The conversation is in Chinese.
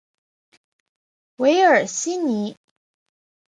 韦尔西尼。